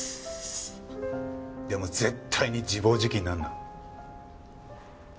でも絶対に自暴自棄になるな。